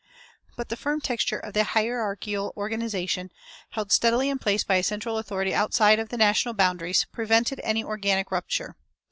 But the firm texture of the hierarchical organization, held steadily in place by a central authority outside of the national boundaries, prevented any organic rupture.